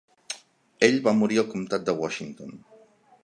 Ell va morir al comtat de Washington.